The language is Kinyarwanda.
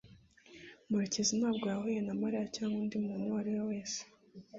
Murekezi ntabwo yahuye na Mariya cyangwa undi muntu uwo ari we wese.